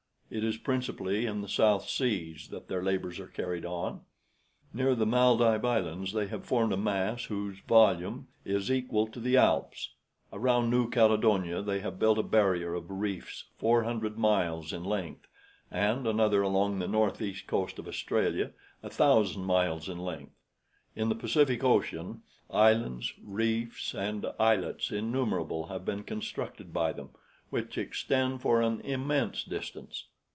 It is principally in the South Seas that their labors are carried on. Near the Maldive Islands they have formed a mass whose volume is equal to the Alps. Around New Caledonia they have built a barrier of reefs four hundred miles in length, and another along the northeast coast of Australia a thousand miles in length. In the Pacific Ocean, islands, reefs, and islets innumerable have been constructed by them, which extend for an immense distance.